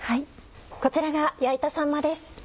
こちらが焼いたさんまです。